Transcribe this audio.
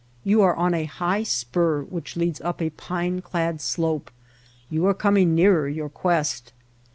You are on a high spur which leads up a pine clad slope. You are coming nearer your quest.